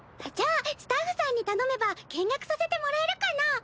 じゃあスタッフさんに頼めば見学させてもらえるかな？